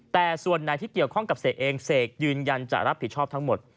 แต่ส่วนไหนที่เกี่ยวข้องกับเสกเองเสกยืนยันจะรับผิดชอบทั้งหมด